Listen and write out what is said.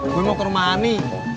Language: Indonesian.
gue mau kermani